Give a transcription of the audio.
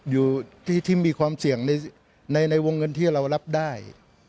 อยู่ที่มีความเสี่ยงในวงเงินที่เรารับได้